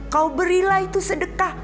kau berilah itu sedekah